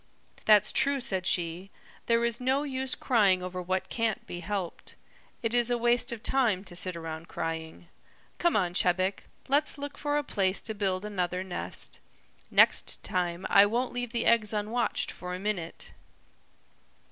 "That's true," said she. "There is no use crying over what can't be helped. It is a waste of time to sit around crying. Come on, Chebec, let's look for a place to build another nest. Next time I won't leave the eggs unwatched for a minute."